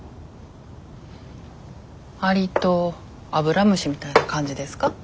アリとアブラムシみたいな感じですか？